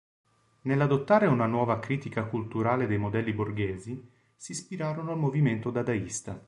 Nell'adottare una nuova critica culturale dei modelli borghesi, si ispirarono al movimento dadaista.